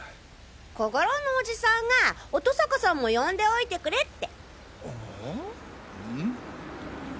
小五郎のオジさんが乙坂さんも呼んでおいてくれって。